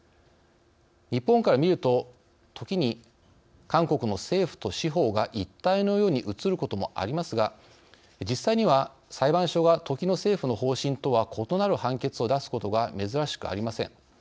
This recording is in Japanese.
日本から見ると時に韓国の政府と司法が一体のように映ることもありますが実際には、裁判所が時の政府の方針とは異なる判決を出すことが珍しくありません。